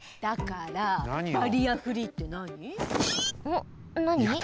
だからバリアフリーってなに？